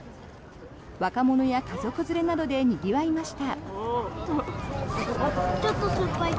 若者や家族連れなどでにぎわいました。